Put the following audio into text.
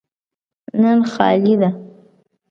نن خالي ده.